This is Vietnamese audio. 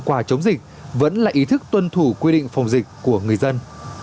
quả chống dịch vẫn là ý thức tuân thủ quy định phòng dịch của người dân